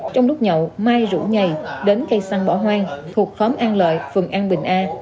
trong lúc nhậu mai rủ nhày đến cây săn bỏ hoang thuộc khóm an lợi phường an bình a